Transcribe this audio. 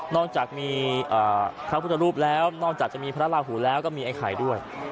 อกจากมีพระพุทธรูปแล้วนอกจากจะมีพระราหูแล้วก็มีไอ้ไข่ด้วย